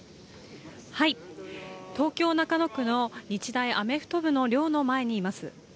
東京・中野区の日大アメフト部の寮の前にいます。